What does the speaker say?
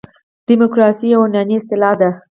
دموکراسي یوه یوناني اصطلاح ده.